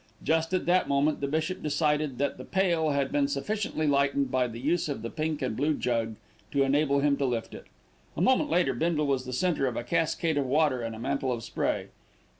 Just at that moment, the bishop decided that the pail had been sufficiently lightened by the use of the pink and blue jug to enable him to lift it. A moment later Bindle was the centre of a cascade of water and a mantle of spray.